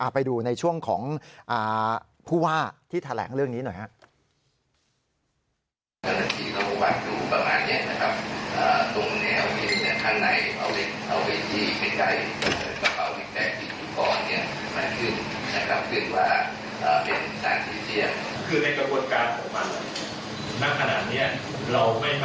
ไปดูในช่วงของผู้ว่าที่แถลงเรื่องนี้หน่อยครับ